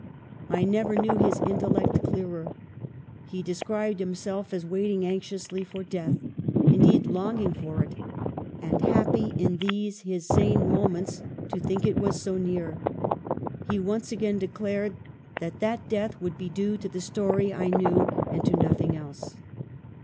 I never knew his intellect clearer. He described him self as waiting anxiously for death — indeed, longing for it, and happy, in these his sane mo ments, to think it was so near. He once again declared that that death would be due to the story I knew, and to nothing else.